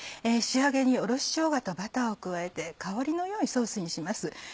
仕上げにおろししょうがとバターを加えて香りの良いソースにします。